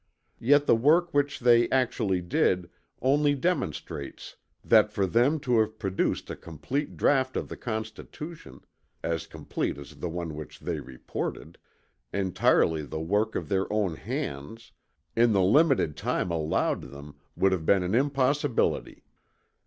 Yet the work which they actually did only demonstrates that for them to have produced a complete draught of the Constitution as complete as the one which they reported entirely the work of their own hands, in the limited time allowed them would have been an impossibility.